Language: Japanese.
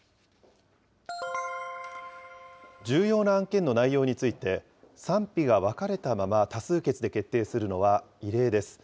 重要な案件の内容について、賛否が分かれたまま多数決で決定するのは異例です。